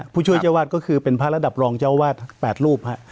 ผู้ช่วยเจ้าวาดก็คือเป็นพระระดับรองเจ้าวาด๘รูป